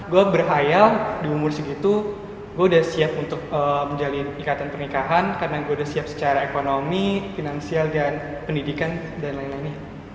gue berhayal di umur segitu gue udah siap untuk menjalin ikatan pernikahan karena gue udah siap secara ekonomi finansial dan pendidikan dan lain lainnya